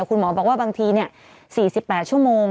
คุณหมอบอกว่าบางที๔๘ชั่วโมง